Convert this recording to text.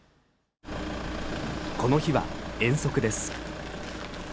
この日は遠足です。